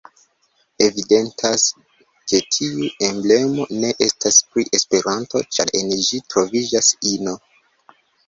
Evidentas ke tiu emblemo ne estas pri Esperanto, ĉar en ĝi troviĝas ino.